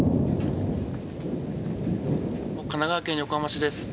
神奈川県横浜市です。